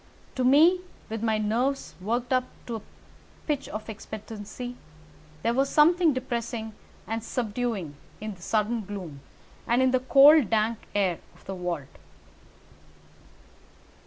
To me, with my nerves worked up to a pitch of expectancy, there was something depressing and subduing in the sudden gloom, and in the cold dank air of the vault.